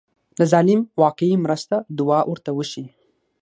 د ظالم واقعي مرسته دعا ورته وشي.